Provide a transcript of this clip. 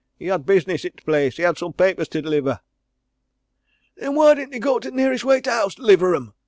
"He had business i' t' place. He had some papers to 'liver." "Then why didn't he go t' nearest way to t' house t' 'liver 'em?"